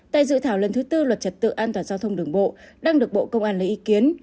tại dự thảo lần thứ tư luật trật tự an toàn giao thông đường bộ đang được bộ công an lấy ý kiến